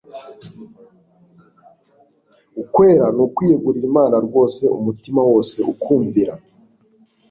Ukwera ni ukwiyegurira Imana rwose; umutima wose ukumvira,